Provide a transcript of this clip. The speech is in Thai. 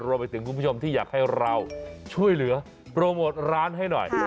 คุณผู้ชมที่อยากให้เราช่วยเหลือโปรโมทร้านให้หน่อย